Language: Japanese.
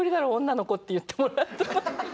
「女の子」って言ってもらえたの。